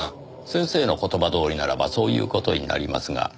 先生の言葉どおりならばそういう事になりますが。